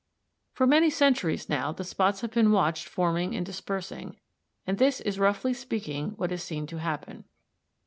For many centuries now the spots have been watched forming and dispersing, and this is roughly speaking what is seen to happen.